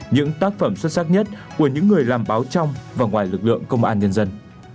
những tác phẩm xuất sắc nhất của những người làm báo trong và ngoài lực lượng công an nhân dân